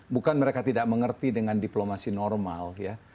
bukan mereka tidak mengerti dengan diplomasi normal ya